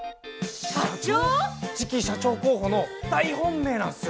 次期社長候補の大本命なんすよ。